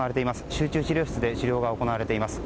集中治療室で治療が行われています。